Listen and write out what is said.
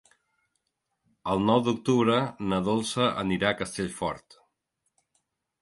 El nou d'octubre na Dolça anirà a Castellfort.